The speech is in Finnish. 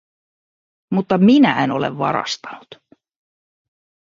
Mutta minä en ole varastanut.